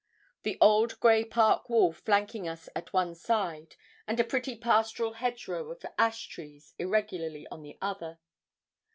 The old grey park wall flanking us at one side, and a pretty pastoral hedgerow of ash trees, irregularly on the other.